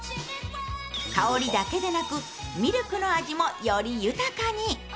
香りだけでなくミルクの味もより豊かに。